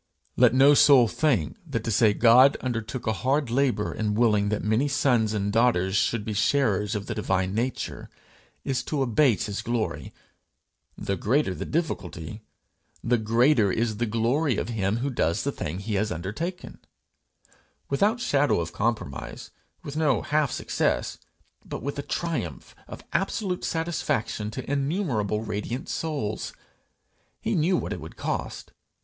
Let no soul think that to say God undertook a hard labour in willing that many sons and daughters should be sharers of the divine nature, is to abate his glory! The greater the difficulty, the greater is the glory of him who does the thing he has undertaken without shadow of compromise, with no half success, but with a triumph of absolute satisfaction to innumerable radiant souls! He knew what it would cost!